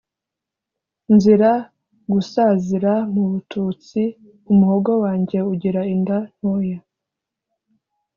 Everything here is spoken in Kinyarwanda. Nzira gusazira mu bututsi:Umuhogo wanjye ugira inda ntoya!